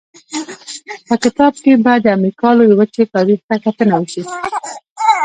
په کتاب کې به د امریکا لویې وچې تاریخ ته کتنه وشي.